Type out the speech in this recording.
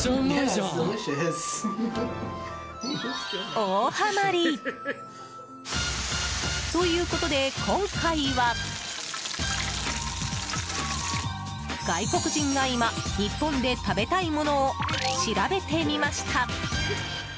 大はまり！ということで、今回は外国人が今日本で食べたいものを調べてみました。